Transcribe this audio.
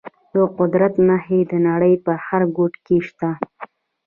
د قدرت نښې د نړۍ په هر ګوټ کې شته.